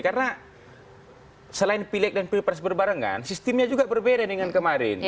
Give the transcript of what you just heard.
karena selain pilih dan pilih pers berbarengan sistemnya juga berbeda dengan kemarin